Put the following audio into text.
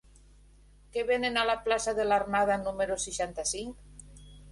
Què venen a la plaça de l'Armada número seixanta-cinc?